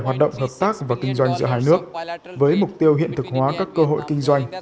hoạt động hợp tác và kinh doanh giữa hai nước với mục tiêu hiện thực hóa các cơ hội kinh doanh